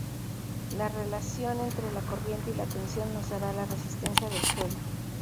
La relación entre la corriente y la tensión nos dará la resistencia del suelo.